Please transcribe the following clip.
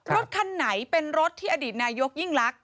รถคันไหนเป็นรถที่อดีตนายกยิ่งลักษ